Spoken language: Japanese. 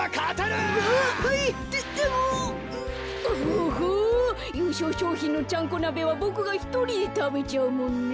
おほゆうしょうしょうひんのちゃんこなべはボクがひとりでたべちゃうもんね。